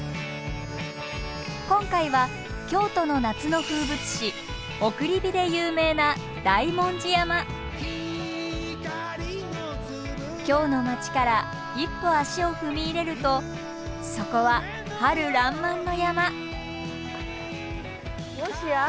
今回は京都の夏の風物詩送り火で有名な京の街から一歩足を踏み入れるとそこは春らんまんの山。